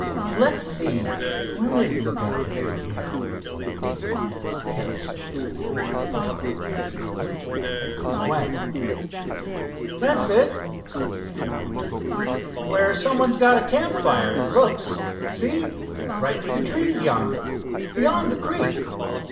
"Let's see, where is Lookout Hill from here?" Dave asked carelessly of the man with the pushcart, after the inn keeper had gone away. "That's it," said the man, pointing. "Where some one's got a campfire, it looks. See, right through the trees yonder, beyond the creek."